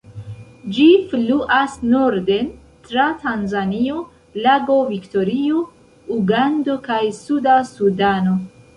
Ĝi fluas norden tra Tanzanio, Lago Viktorio, Ugando kaj Suda Sudano.